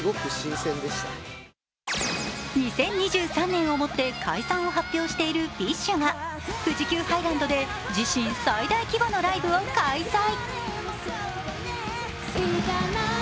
２０２３年をもって解散を発表しているＢｉＳＨが富士急ハイランドで自身最大規模のライブを開催。